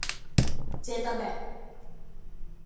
เจตาแบค